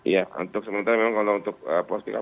ya untuk sementara memang kalau untuk posko posko